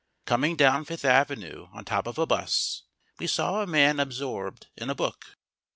Coming down Fifth Avenue on top of a bus, we saw a man absorbed in a book.